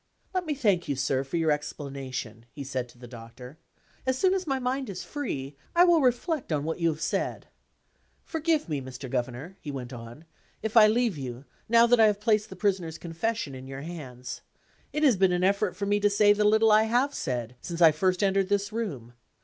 "Let me thank you, sir, for your explanation," he said to the Doctor. "As soon as my mind is free, I will reflect on what you have said. Forgive me, Mr. Governor," he went on, "if I leave you, now that I have placed the Prisoner's confession in your hands. It has been an effort to me to say the little I have said, since I first entered this room.